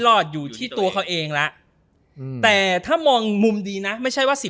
รอดอยู่ที่ตัวเขาเองแล้วแต่ถ้ามองมุมดีนะไม่ใช่ว่าสิบ